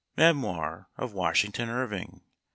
Memoir of Washington Irving.